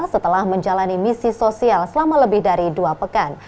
setelah menjalani misi sosial selama lebih dari dua pekan